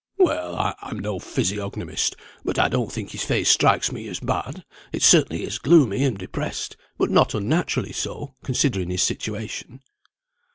"Well, I am no physiognomist, but I don't think his face strikes me as bad. It certainly is gloomy and depressed, and not unnaturally so, considering his situation."